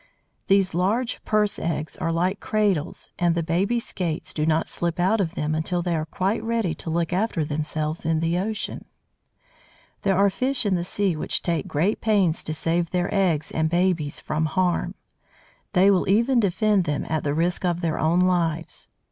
These large "purse eggs" are like cradles, and the baby Skates do not slip out of them until they are quite ready to look after themselves in the ocean. There are fish in the sea which take great pains to save their eggs and babies from harm; they will even defend them at the risk of their own lives.